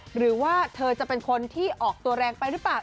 หรือว่าเธอจะเป็นคนที่ออกตัวแรงไปหรือเปล่า